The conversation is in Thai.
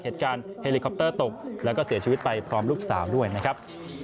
เหตุการณ์เฮลิคอปเตอร์ตกแล้วก็เสียชีวิตไปพร้อมลูกสาวด้วยนะครับ